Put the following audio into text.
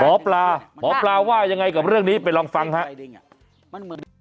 หมอปลาหมอปลาว่ายังไงกับเรื่องนี้ไปลองฟังครับ